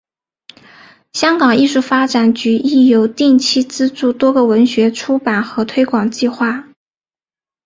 香港艺术发展局亦有定期资助多个文学出版和推广计划。